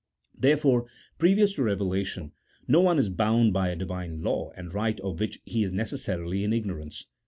Therefore, previous to reve lation, no one is bound by a Divine law and right of which he is necessarily in ignorance.